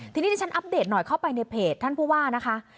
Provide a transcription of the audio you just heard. ทีนี้ที่ฉันอัปเดตหน่อยเข้าไปในเพจท่านผู้ว่านะคะ